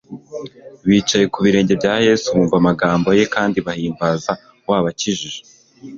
bicaye ku birenge bya Yesu bumva amagambo ye, kandi bahimbaza wabakijije.